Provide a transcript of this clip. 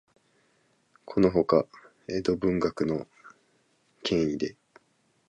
このほか、江戸文学の権威で、